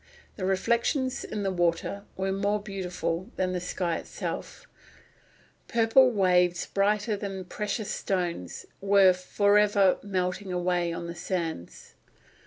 The reflections in the water were more beautiful than the sky itself; purple waves brighter than precious stones for ever melting away on the sands."